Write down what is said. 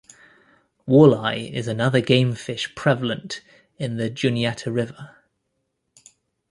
Walleye is another game fish prevalent in the Juniata River.